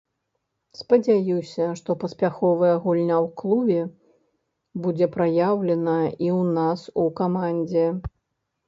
Спадзяюся, што паспяховая гульня ў клубе будзе праяўлена і ў нас у камандзе.